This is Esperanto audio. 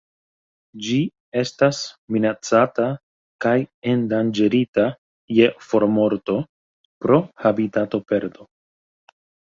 Ĝi estas minacata kaj endanĝerita je formorto pro habitatoperdo.